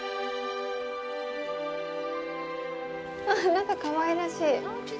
なんか、かわいらしい。